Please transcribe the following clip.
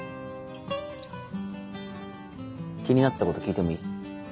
気になってたこと聞いてもいい？